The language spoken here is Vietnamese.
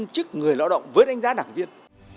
chức người lã động với đánh giá đảng viên